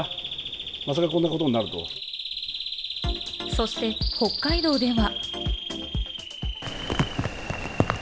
そして北海道では。